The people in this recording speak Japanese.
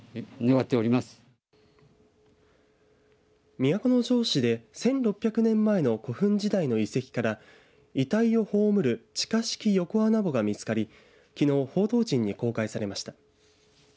都城市で１６００年前の古墳時代の遺跡から遺体を葬る地下式横穴墓が見つかりきのう報道陣に公開されました。